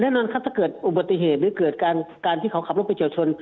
แน่นอนครับถ้าเกิดอุบัติเหตุหรือเกิดการที่เขาขับรถไปเฉียวชน